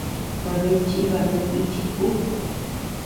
¿Tabea chiba kuetíchi ku?